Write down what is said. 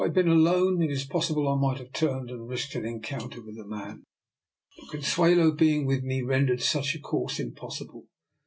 225 been alone, it is possible I might have turned and risked an encounter with the man; but Consuelo being with me rendered such a course impossible.